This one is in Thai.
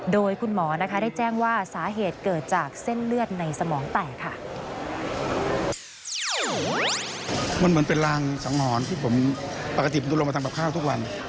โดยคุณหมอนะคะได้แจ้งว่าสาเหตุเกิดจากเส้นเลือดในสมองแตกค่ะ